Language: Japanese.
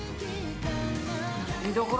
見どころ